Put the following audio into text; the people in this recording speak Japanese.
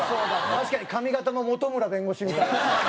確かに髪形も本村弁護士みたいな。